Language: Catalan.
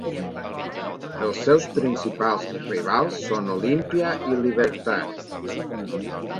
Els seus principals rivals són Olimpia i Libertad.